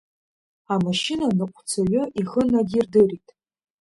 Амашьынаныҟәцаҩы ихы надирдырит…